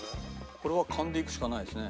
これは勘でいくしかないですね。